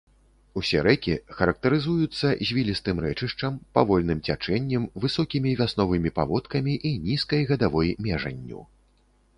Усе рэкі характарызуюцца звілістым рэчышчам, павольным цячэннем, высокімі вясновымі паводкамі і нізкай гадавой межанню.